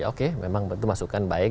oke memang itu masukan baik